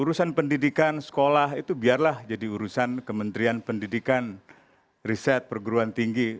urusan pendidikan sekolah itu biarlah jadi urusan kementerian pendidikan riset perguruan tinggi